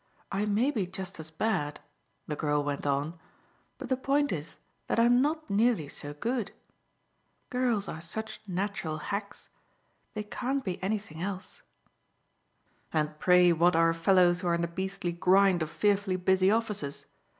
I may be just as bad," the girl went on, "but the point is that I'm not nearly so good. Girls are such natural hacks they can't be anything else." "And pray what are fellows who are in the beastly grind of fearfully busy offices?